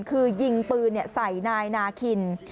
คือยิงปืนใส่นายนาคิน